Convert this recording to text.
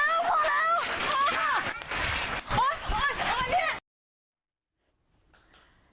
พอแล้วพอแล้วพอค่ะโอ๊ยโอ๊ยโอ๊ยพี่